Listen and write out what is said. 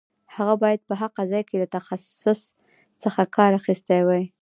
هغه باید په هغه ځای کې له تخصص څخه کار اخیستی وای.